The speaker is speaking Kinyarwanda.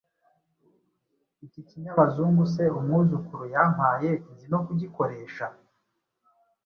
Iki kinyabazungu se umwuzukuru yampaye nzi no kugikoresha?